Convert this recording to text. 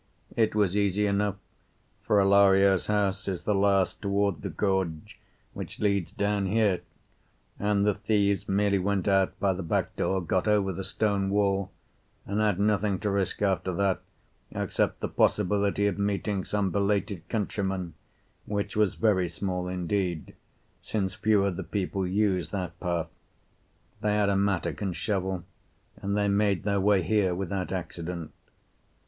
It was easy enough, for Alario's house is the last toward the gorge which leads down here, and the thieves merely went out by the back door, got over the stone wall, and had nothing to risk after that except the possibility of meeting some belated countryman, which was very small indeed, since few of the people use that path. They had a mattock and shovel, and they made their way here without accident.